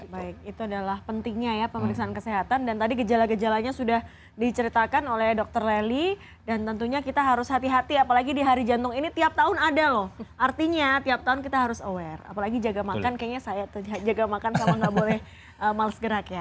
baik itu adalah pentingnya ya pemeriksaan kesehatan dan tadi gejala gejalanya sudah diceritakan oleh dokter lely dan tentunya kita harus hati hati apalagi di hari jantung ini tiap tahun ada loh artinya tiap tahun kita harus aware apalagi jaga makan kayaknya saya jaga makan sama nggak boleh males gerak ya